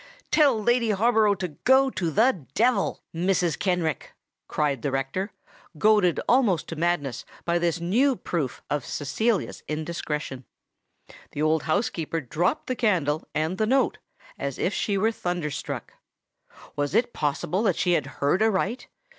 "Tell Lady Harborough to go to the devil, Mrs. Kenrick!" cried the rector, goaded almost to madness by this new proof of Cecilia's indiscretion. The old housekeeper dropped the candle and the note, as if she were thunderstruck. Was it possible that she had heard aright?